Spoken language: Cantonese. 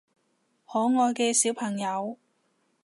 可愛嘅小朋友